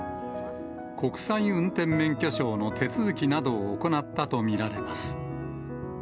国際運転免許証の手続きなどを行ったと見られます。